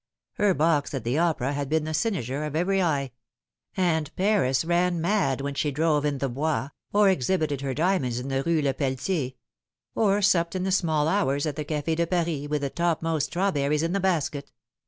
Her box at the opera had been the cynosure of every eye ; and Paris ran mad when she drove in the Bois, or exhibited her diamonds in the Rue Lepelletier ; or supped in the small hours at the Cafe de Paris, with the topmost strawberries in the basket.